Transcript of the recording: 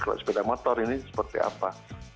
kalau sepeda motor ini seperti apa